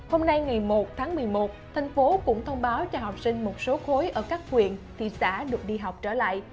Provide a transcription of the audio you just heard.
hôm nay ngày một tháng một mươi một thành phố cũng thông báo cho học sinh một số khối ở các huyện thị xã được đi học trở lại